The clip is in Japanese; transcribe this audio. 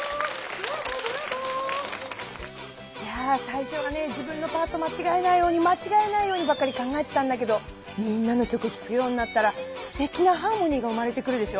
さいしょは自分のパートまちがえないようにまちがえないようにばっかり考えてたんだけどみんなの曲聴くようになったらすてきなハーモニーが生まれてくるでしょう？